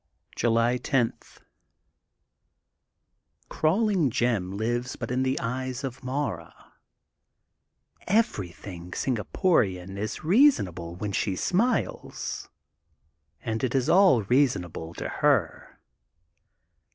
July 10: — Crawling Jim lives but in the eyes of Mara. Everything Singaporian is reasonable while she smiles, and it is all rea sonable to her.